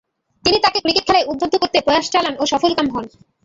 তিনি তাকে ক্রিকেট খেলায় উদ্বুদ্ধ করতে প্রয়াস চালান ও সফলকাম হন।